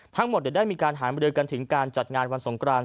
ทั้งหมดเดี๋ยวได้มีการหามาเดินกันถึงการจัดงานวันสงคราม